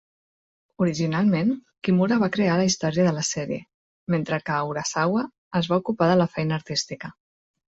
Originalment, Kimura va crear la història de la sèrie, mentre que Urasawa es va ocupar de la feina artística.